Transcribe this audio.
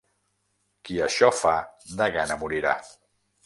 Qui això fa, de gana morirà.